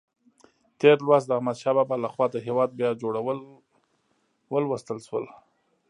تېر لوست د احمدشاه بابا لخوا د هېواد بیا جوړول ولوستل شول.